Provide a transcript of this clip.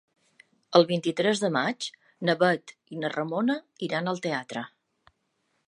El vint-i-tres de maig na Bet i na Ramona iran al teatre.